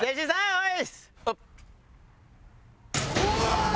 おい！